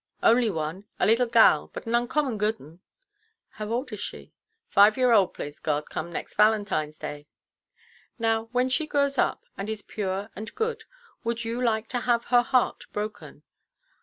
"Only one—a leetle gal, but an oncommon good un." "How old is she?" "Five year old, plase God, come next Valentineʼs Day." "Now, when she grows up, and is pure and good, would you like to have her heart broken?"